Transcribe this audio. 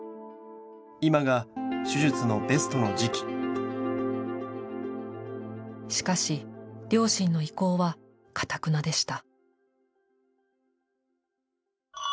「今が手術のベストの時期」しかし両親の意向はかたくなでした。